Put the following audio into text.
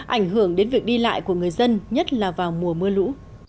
ảnh hưởng đến việc đi lại của người dân nhất là vào mùa mưa lũ